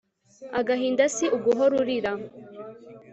agahinda si uguhora urira